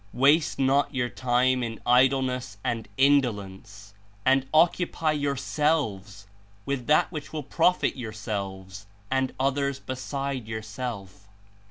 "Waste not your time In Idleness and Indolence, and occupy yourselves with that which will profit your selves and others beside yourself.